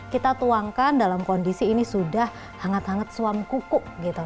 kita tuangkan dalam kondisi ini sudah hangat hangat suam kuku gitu